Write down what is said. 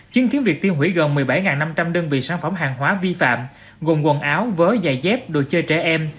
chứng kiến việc tiêu hủy gần một mươi bảy năm trăm linh đơn vị sản phẩm hàng hóa vi phạm gồm quần áo vớ giày dép đồ chơi trẻ em